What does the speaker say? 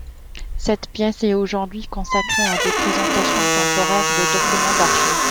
Cette pièce est aujourd'hui consacrée à des présentations temporaires de documents d'archives.